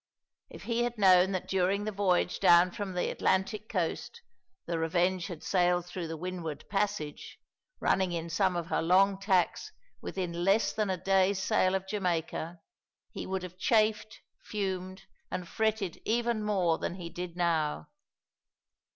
If he had known that during the voyage down from the Atlantic coast the Revenge had sailed through the Windward Passage, running in some of her long tacks within less than a day's sail of Jamaica, he would have chafed, fumed, and fretted even more than he did now.